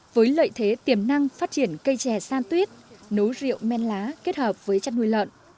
với lợi thế tiềm năng phát triển cây chè san tuyết nấu rượu men lá kết hợp với chăn nuôi lợn